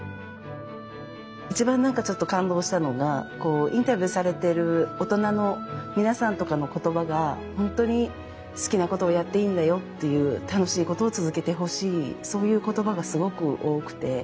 一番何かちょっと感動したのがこうインタビューされてる大人の皆さんとかの言葉が本当に好きなことをやっていいんだよっていう楽しいことを続けてほしいそういう言葉がすごく多くて。